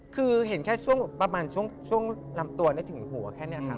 คือเห็นแค่ช่วงประมาณช่วงลำตัวถึงหัวแค่นี้ค่ะ